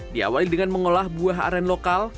diawali dengan mengolah buah aren lokal